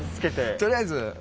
取りあえず。